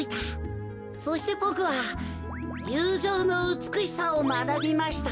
そしてボクはゆうじょうのうつくしさをまなびました。